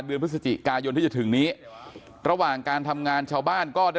เดือนพฤศจิกายนที่จะถึงนี้ระหว่างการทำงานชาวบ้านก็ได้